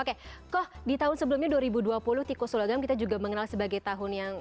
oke koh di tahun sebelumnya dua ribu dua puluh tiko suragam kita juga mengenal sebagai tahun yang